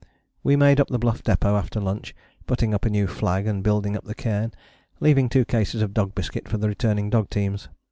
We made up the Bluff Depôt after lunch, putting up a new flag and building up the cairn, leaving two cases of dog biscuit for the returning dog teams.